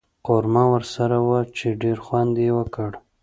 قورمه ورسره وه چې ډېر خوند یې وکړ.